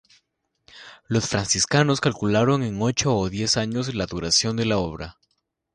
Los Franciscanos calcularon en ocho o diez años la duración de la obra.